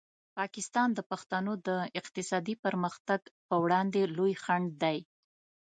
پاکستان د پښتنو د اقتصادي پرمختګ په وړاندې لوی خنډ دی.